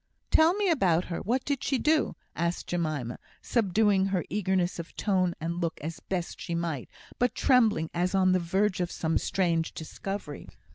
"Tell me about her what did she do?" asked Jemima, subduing her eagerness of tone and look as best she might, but trembling as on the verge of some strange discovery.